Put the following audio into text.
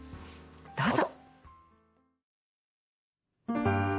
どうぞ。